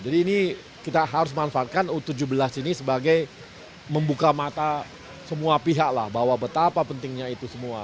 jadi ini kita harus manfaatkan u tujuh belas ini sebagai membuka mata semua pihak lah bahwa betapa pentingnya itu semua gitu